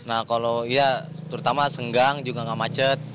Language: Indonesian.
nah kalau ya terutama senggang juga gak macet